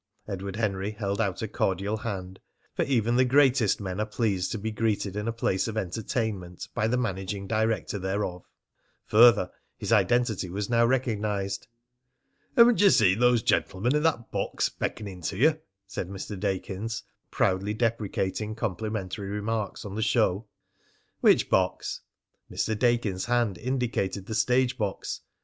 Edward Henry held out a cordial hand, for even the greatest men are pleased to be greeted in a place of entertainment by the managing director thereof. Further, his identity was now recognised. "Haven't you seen those gentlemen in that box beckoning to you?" said Mr. Dakins, proudly deprecating complimentary remarks on the show. "Which box?" Mr. Dakins' hand indicated the stage box.